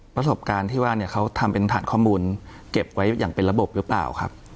ประสบการณ์ที่ว่าเนี่ยเขาทำเป็นฐานข้อมูลเก็บไว้อย่างเป็นระบบหรือเปล่าครับ